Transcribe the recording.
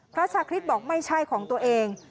พระชาคริสบอกไม่ใช่ของตัวเอง